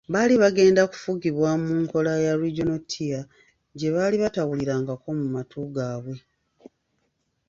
Baali begenda kufugibwa mu nkola ya Regional Tier gye baali tebawulirangako mu matu gaabwe.